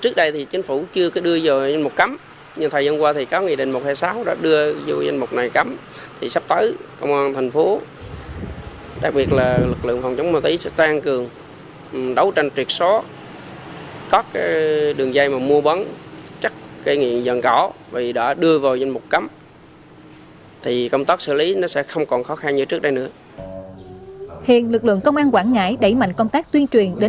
các bạn hãy đăng ký kênh để ủng hộ kênh của chúng mình nhé